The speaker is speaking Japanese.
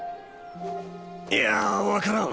いや分からん！